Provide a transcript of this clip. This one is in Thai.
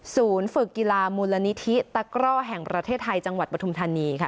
ฝึกกีฬามูลนิธิตะกร่อแห่งประเทศไทยจังหวัดปฐุมธานีค่ะ